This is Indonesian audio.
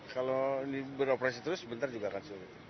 kalau ini beroperasi terus sebentar juga akan sulit